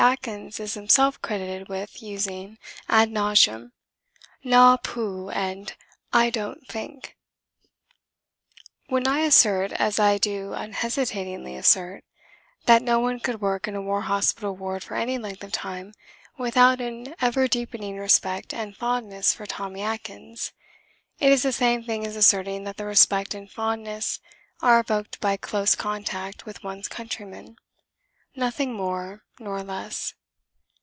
Atkins is himself credited with using ad nauseam "Na poo" and "I don't think." When I assert as I do unhesitatingly assert that no one could work in a war hospital ward for any length of time without an ever deepening respect and fondness for Tommy Atkins, it is the same thing as asserting that the respect and fondness are evoked by close contact with one's countrymen: nothing more nor less.